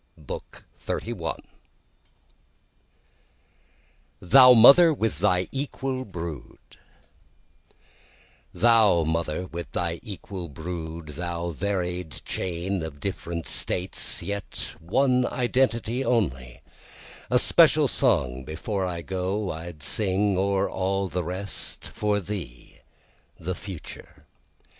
BOOK XXXI Thou Mother with Thy Equal Brood 1 Thou Mother with thy equal brood, Thou varied chain of different States, yet one identity only, A special song before I go I'd sing o'er all the rest, For thee, the future.